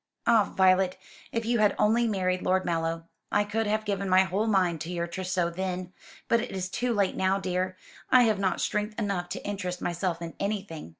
"Ah, Violet, if you had only married Lord Mallow! I could have given my whole mind to your trousseau then; but it is too late now, dear. I have not strength enough to interest myself in anything."